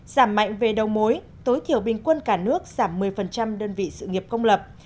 giảm mạnh về đầu mối tối thiểu bình quân cả nước giảm một mươi đơn vị sự nghiệp công lập